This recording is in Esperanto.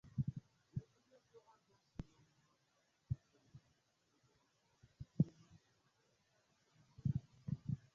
La vilaĝo havas romkatolikan preĝejon omaĝe al Sankta Nikolao.